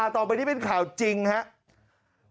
ต่อไปนี้เป็นข่าวจริงครับ